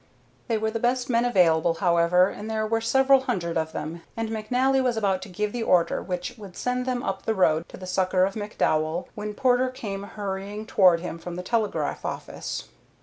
They were the best men available, however, and there were several hundred of them, and McNally was about to give the order which would send them up the road to the succor of McDowell, when Porter came hurrying toward him from the telegraph office.